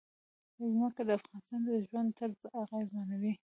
ځمکه د افغانانو د ژوند طرز اغېزمنوي.